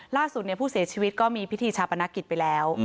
ล่าสุดผู้เสียชีวิตก็มีพิธีชาปนกิจไปแล้ว